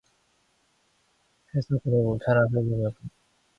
그래서 그는 문 편만 흘금흘금 바라보면서 가만히 있다.